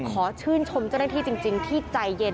ขอชื่นชมเจ้าหน้าที่จริงที่ใจเย็น